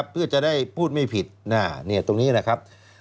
เพื่อจะได้พูดไม่ผิดตรงนี้นะครับ